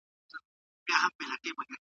دا پړاو تر پخواني پړاو ډېر پېچلی دی.